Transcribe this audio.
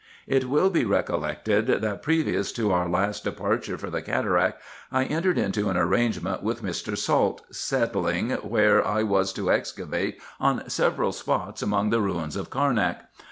It will be recollected that, previous to our last departure for the cataract, I entered into an arrangement with Mr. Salt, settling where I was to excavate on several spots among the ruins of Carnak.